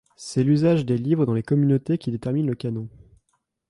C'est l'usage des livres dans les communautés qui détermine le canon.